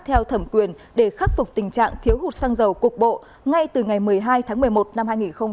theo thẩm quyền để khắc phục tình trạng thiếu hụt xăng dầu cục bộ ngay từ ngày một mươi hai tháng một mươi một năm hai nghìn hai mươi